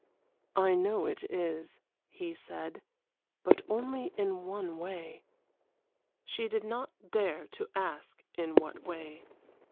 "I know it is," he said; "but only in one way." She did not dare to ask in what way.